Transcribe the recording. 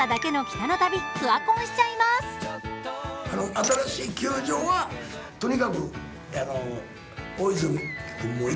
新しい球場はとにかく大泉君も行っているし。